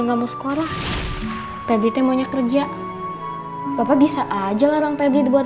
ingatlah kita sekali lagi mau main midi widi kali